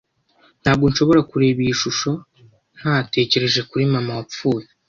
Ntabwo nshobora kureba iyi shusho ntatekereje kuri mama wapfuye.